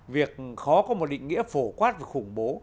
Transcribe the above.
việc khó có một định nghĩa phổ quát về khủng bố